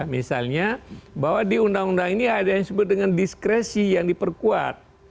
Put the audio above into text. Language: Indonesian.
misalnya bahwa di undang undang ini ada yang disebut dengan diskresi yang diperkuat